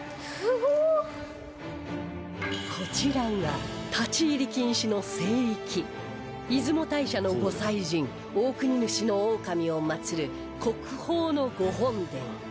こちらが立ち入り禁止の聖域出雲大社の御祭神大国主大神を祀る国宝の御本殿